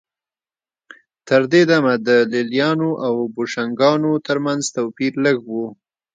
تر دې دمه د لېلیانو او بوشنګانو ترمنځ توپیر لږ و